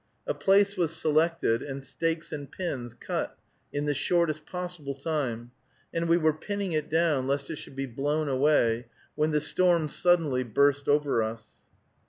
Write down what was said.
A place was selected and stakes and pins cut in the shortest possible time, and we were pinning it down lest it should be blown away, when the storm suddenly burst over us.